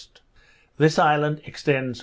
This island extends W.